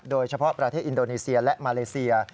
โดยเฉพาะประเทศอินโดนีเซียและมาเลเซีย